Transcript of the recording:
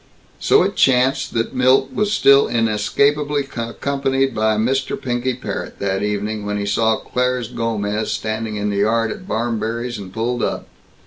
So it chanced that Milt was still inescapably accompanied by Mr. Pinky Parrott, that evening, when he saw Claire's Gomez standing in the yard at Barmberry's and pulled up.